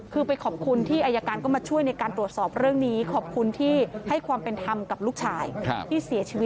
คือไปขอบคุณที่อายการก็มาช่วยในการตรวจสอบเรื่องนี้